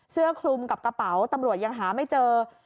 เสื้อคลุมกับกระเป๋าตำรวจยังหาไม่เจอ